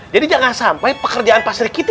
jadi jangan sampai pekerjaan pak sri giti